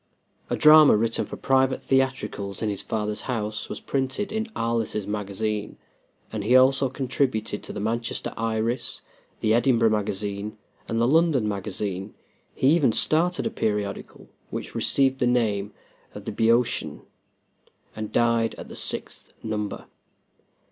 A drama written for private theatricals, in his father's house was printed in Arliss's Magazine, and he also contributed to the Manchester Iris, the Edinburgh Magazine, and the London Magazine. He even started a periodical, which received the name of The Bœotian, and died at the sixth number.